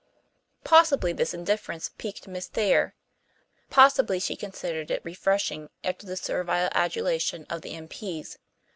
Possibly this indifference piqued Miss Thayer. Possibly she considered it refreshing after the servile adulation of the M.P.s.